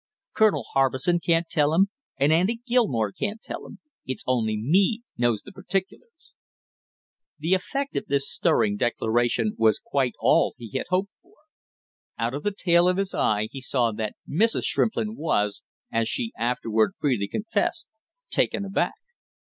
Colonel Harbison can't tell 'em, and Andy Gilmore can't tell 'em; it's only me knows them particulars!" The effect of this stirring declaration was quite all he had hoped for. Out of the tail of his eye he saw that Mrs. Shrimplin was, as she afterward freely confessed, taken aback.